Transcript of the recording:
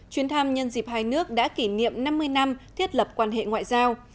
chuyến thăm nhân dịp hai nước đã kỷ niệm năm mươi năm thiết lập quan hệ ngoại giao